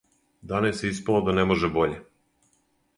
Данас је испало да не може боље.